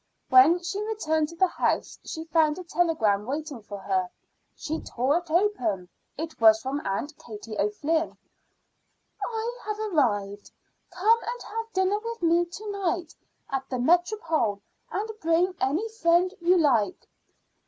When she returned to the house she found a telegram waiting for her. She tore it open. It was from Aunt Katie O'Flynn: "I have arrived. Come and have dinner with me to night at the Métropole, and bring any friend you like."